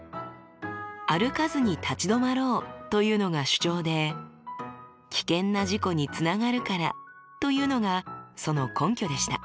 「歩かずに立ち止まろう」というのが主張で「危険な事故につながるから」というのがその根拠でした。